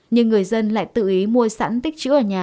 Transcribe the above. nhưng người dân lại tự ý mua sẵn tích chữ ở nhà